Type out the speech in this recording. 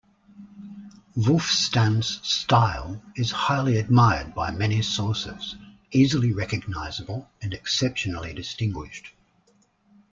Wulfstan's style is highly admired by many sources, easily recognisable and exceptionally distinguished.